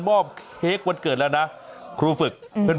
หมอกิตติวัตรว่ายังไงบ้างมาเป็นผู้ทานที่นี่แล้วอยากรู้สึกยังไงบ้าง